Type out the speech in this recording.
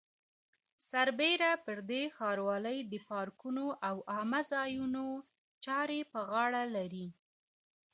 سربېره پر دې ښاروالۍ د پارکونو او عامه ځایونو چارې په غاړه لري.